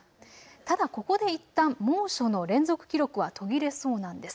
ただ、ここでいったん猛暑の連続記録は途切れそうなんです。